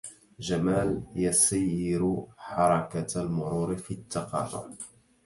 جمال يسيّر حركة المرور في التّقاطع.